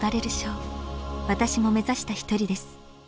私も目指した一人です。